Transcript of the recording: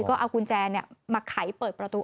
ก็เอากุญแจมาไขเปิดประตู